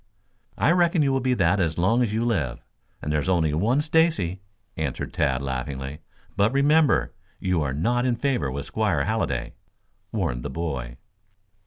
"I reckon you will be that as long as you live. And there's only one Stacy," answered Tad laughingly. "But remember, you are not in favor with Squire Halliday," warned the boy.